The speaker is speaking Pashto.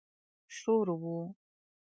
شور و.